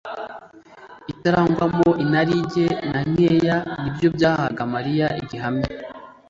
itarangwamo inarijye na nkeya nibyo byahaga Mariya igihamya